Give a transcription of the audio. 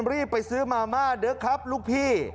รีบไปซื้อมาม่าเด้อครับลูกพี่